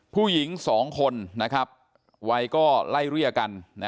ผู้หญิง๒คนนะครับวัยก็ไล่เรียกกัน